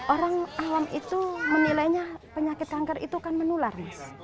orang awam itu menilainya penyakit kanker itu kan menular mas